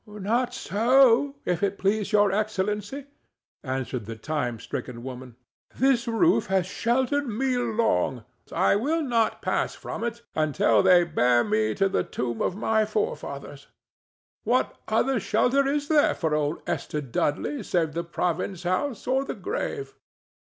"Not so, if it please Your Excellency," answered the time stricken woman. "This roof has sheltered me long; I will not pass from it until they bear me to the tomb of my forefathers. What other shelter is there for old Esther Dudley save the province house or the grave?"